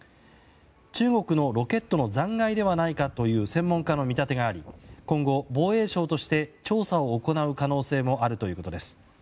中国のロケットの残骸ではないかという専門家の見立てがあり今後、防衛省として調査を行う可能性もあるということです。